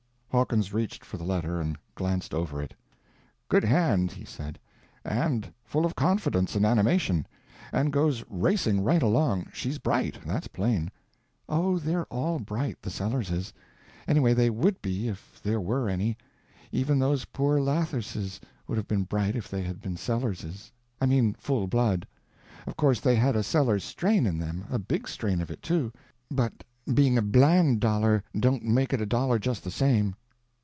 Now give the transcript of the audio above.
Hawkins reached for the letter and glanced over it. "Good hand," he said, "and full of confidence and animation, and goes racing right along. She's bright—that's plain." "Oh, they're all bright—the Sellerses. Anyway, they would be, if there were any. Even those poor Latherses would have been bright if they had been Sellerses; I mean full blood. Of course they had a Sellers strain in them—a big strain of it, too—but being a Bland dollar don't make it a dollar just the same."